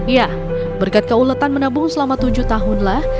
ya berkat keuletan menabung selama tujuh tahunlah